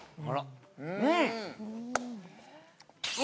うん！